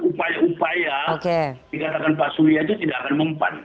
upaya upaya dikatakan pak surya itu tidak akan mempan